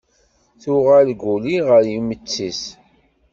Tuɣal Guli ɣer yimeṭṭi-s.